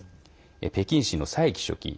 北京市の蔡奇書記。